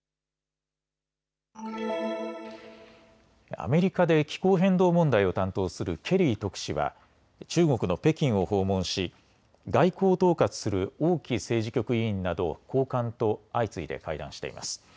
アメリカで気候変動問題を担当するケリー特使は中国の北京を訪問し外交を統括する王毅政治局委員など高官と相次いで会談しています。